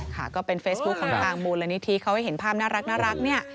ค่ะก็เป็นเฟซบุ๊คของทางมูลนิธิเขาให้เห็นภาพน่ารักเนี่ย